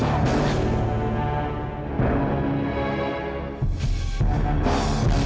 kamu sudah tau orang lain